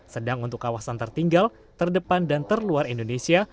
sedang untuk kawasan tertinggal terdepan dan terluar indonesia